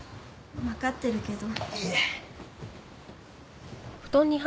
わかってるけど。